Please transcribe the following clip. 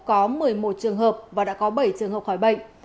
có một mươi một trường hợp và đã có bảy trường hợp khỏi bệnh